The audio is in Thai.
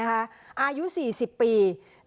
อายุ๔๐ปี